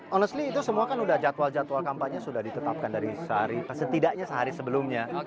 honestly itu semua kan udah jadwal jadwal kampanye sudah ditetapkan dari sehari setidaknya sehari sebelumnya